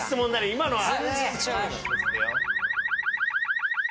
今のは。